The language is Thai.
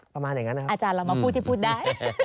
ประมาณอย่างนั้นนะครับอาจารย์เรามาพูดที่พูดได้